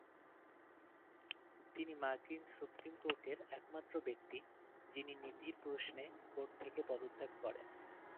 তিনি মার্কিন সুপ্রিম কোর্টের একমাত্র ব্যক্তি যিনি নীতির প্রশ্নে কোর্ট থেকে পদত্যাগ করেন।